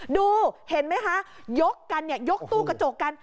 ดูเห็นไหมคะยกกันเนี่ยยกตู้กระจกกัน